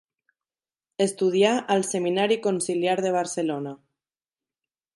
Estudià al Seminari Conciliar de Barcelona.